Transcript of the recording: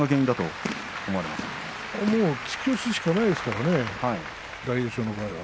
突き押ししかないですからね大栄翔の場合は。